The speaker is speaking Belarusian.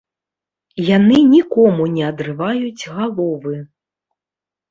Яны нікому не адрываюць галовы!